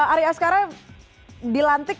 ari askara dilantik